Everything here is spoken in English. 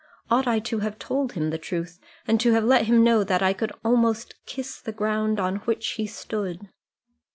Ought I to have told him the truth, and to have let him know that I could almost kiss the ground on which he stood?"